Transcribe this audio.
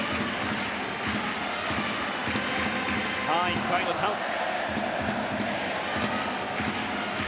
１回のチャンス。